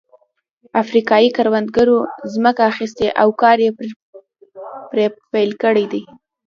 افریقايي کروندګرو ځمکه اخیستې او کار یې پرې پیل کړی دی.